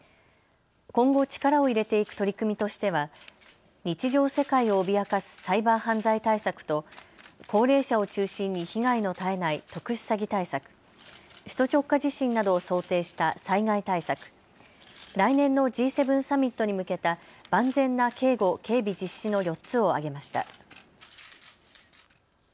今後、力を入れていく取り組みとしては日常世界を脅かすサイバー犯罪対策と、高齢者を中心に被害の絶えない特殊詐欺対策、首都直下地震などを想定した災害対策、来年のＧ７サミットに向けた万全な警護・警備実施の４つを挙げました。